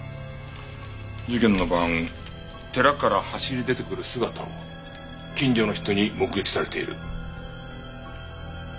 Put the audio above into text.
事件の晩寺から走り出てくる姿を近所の人に目撃されている。